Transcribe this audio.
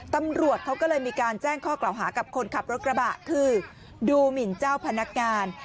ตำรวจเขาก็เลยมีการแจ้งข้อกล่าวหากับคนขับรถกระบะคือดูหมินเจ้าพนักงาน